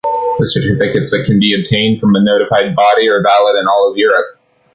The certificates that can be obtained from a notified body are valid in all of Europe.